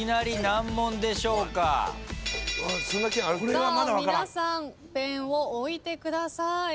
さあ皆さんペンを置いてください。